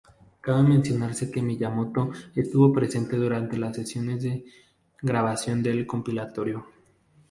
Cabe mencionarse que Miyamoto estuvo presente durante las sesiones de grabación del compilatorio.